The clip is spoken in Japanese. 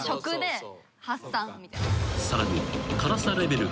［さらに］